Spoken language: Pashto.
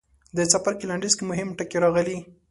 د څپرکي لنډیز کې مهم ټکي راغلي.